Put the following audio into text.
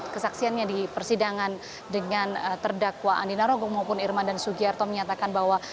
kesaksiannya di persidangan dengan terdakwaan di narogong maupun irman dan sugiharto menyatakan bahwa